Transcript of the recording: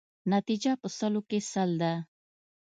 نتیجه په سلو کې سل ده.